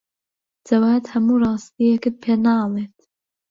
جەواد هەموو ڕاستییەکەت پێ ناڵێت.